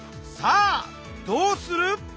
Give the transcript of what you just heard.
さあどうする？